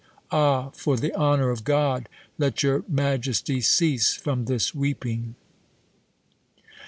Ah! for the honour of God, let your majesty cease from this weeping.'